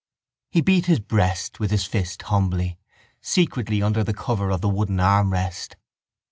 He beat his breast with his fist humbly, secretly under cover of the wooden armrest.